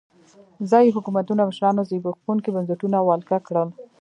ځايي حکومتونو مشرانو زبېښونکي بنسټونه ولکه کړل.